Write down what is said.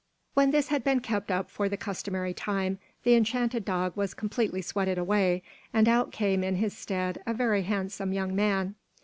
When this had been kept up for the customary time, the enchanted dog was completely sweated away, and out came in his stead a very handsome young man.